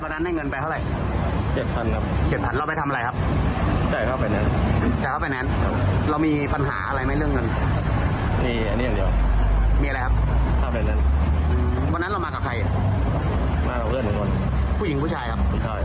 เดี๋ยวรอครับ